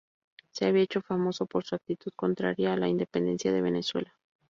Se había hecho famoso por su actitud contraria a la independencia de Venezuela.